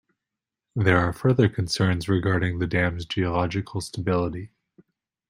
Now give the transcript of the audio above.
There are further concerns regarding the dam's geological stability.